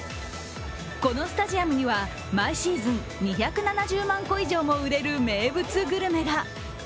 このスタジアムには毎シーズン、２７０万個以上も売れる名物グルメが。